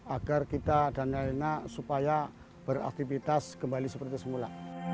agar kita dan lain lain supaya beraktivitas kembali seperti semula